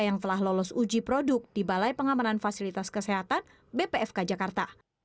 yang telah lolos uji produk di balai pengamanan fasilitas kesehatan bpfk jakarta